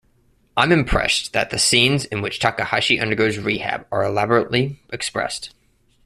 I'm impressed that the scenes in which Takahashi undergoes rehab are elaborately expressed.